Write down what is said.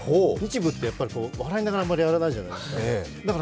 日舞って、笑いながらやらないじゃないですか。